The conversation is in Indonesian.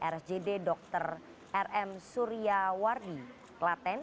rsud dr r m suryawardi klaten